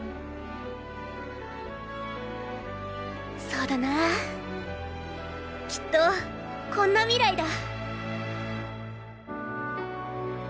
そーだなぁきっとこんな未来だ。